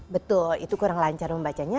betul itu kurang lancar membacanya